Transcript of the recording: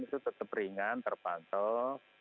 itu tetap ringan terpantau